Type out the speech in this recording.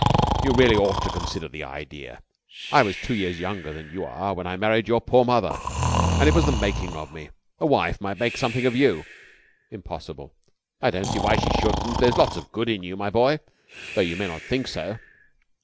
You really ought to consider the idea. I was two years younger than you are when I married your poor mother, and it was the making of me. A wife might make something of you." "Impossible!" "I don't see why she shouldn't. There's lots of good in you, my boy, though you may not think so."